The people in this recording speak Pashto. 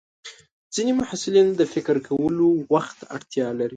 ځینې محصلین د فکر کولو وخت ته اړتیا لري.